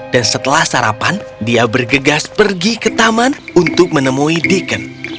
dan setelah sarapan dia bergegas pergi ke taman untuk menemui deacon